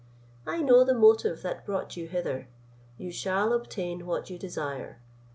I know the motive that brought you hither; you shall obtain what you desire.